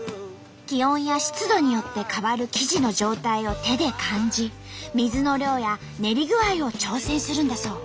気温や湿度によって変わる生地の状態を手で感じ水の量や練り具合を調整するんだそう。